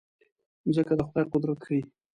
مځکه د خدای قدرت ښيي.